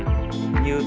như tinh dầu xả chanh